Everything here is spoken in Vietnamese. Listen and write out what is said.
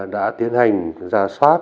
đã tiến hành ra soát